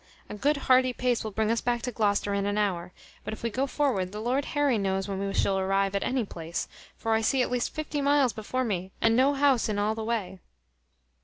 A good hearty pace will bring us back to Gloucester in an hour; but if we go forward, the Lord Harry knows when we shall arrive at any place; for I see at least fifty miles before me, and no house in all the way."